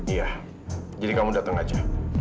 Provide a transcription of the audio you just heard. iya jadi kamu datang aja